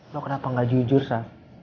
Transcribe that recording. lo kenapa gak jujur saya